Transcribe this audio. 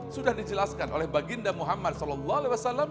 sudah dijelaskan oleh baginda muhammad saw